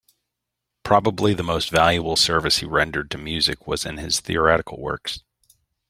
Probably the most valuable service he rendered to music was in his theoretical works.